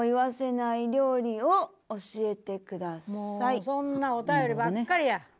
「もうそんなお便りばっかりや！」